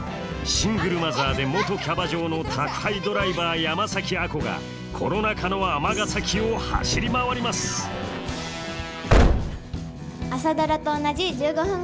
シングルマザーで元キャバ嬢の宅配ドライバー山崎亜子がコロナ禍の尼崎を走り回ります「朝ドラ」と同じ１５分間。